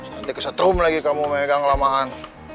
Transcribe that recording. nanti kesetrum lagi kamu megang lamahan